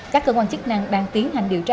các cơ quan chức năng đang tiến hành điều tra